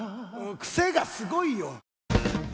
クセがすごいよ。